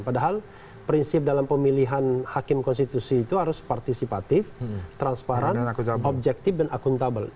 padahal prinsip dalam pemilihan hakim konstitusi itu harus partisipatif transparan objektif dan akuntabel